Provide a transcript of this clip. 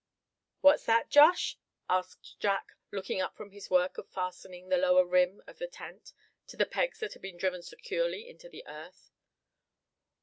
"What's that, Josh?" asked Jack, looking up from his work of fastening the lower rim of the tent to the pegs that had been driven securely into the earth.